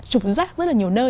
chụp rác rất là nhiều nơi